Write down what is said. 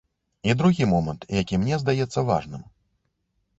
І другі момант, які мне здаецца важным.